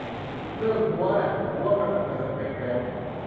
เรื่องฮั้วน่ะ ฮั้วกันตั้งแต่สเป็คแล้ว